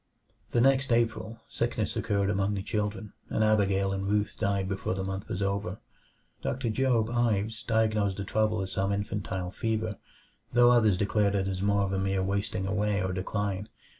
The next April, sickness occurred among the children, and Abigail and Ruth died before the month was over. Doctor Job Ives diagnosed the trouble as some infantile fever, though others declared it was more of a mere wasting away or decline.